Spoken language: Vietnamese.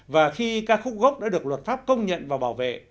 và khi ca khúc gốc đã được luật pháp công nhận và bảo vệ